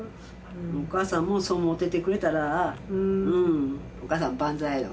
お母さんもそう思っててくれたらお母さん万歳だわ。